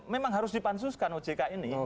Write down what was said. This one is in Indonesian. memang harus dipansuskan ojk ini